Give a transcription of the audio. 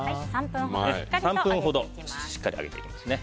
３分ほど、しっかり揚げますね。